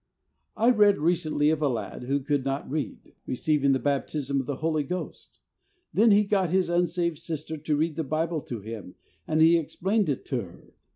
I read recently of a lad, who could not read, receiving the baptism of the Holy Ghost. Then he got his unsaved sister to read the Bible to him and he explained it to her.